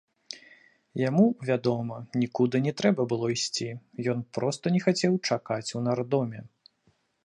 Яму, вядома, нікуды не трэба было ісці, ён проста не хацеў чакаць у нардоме.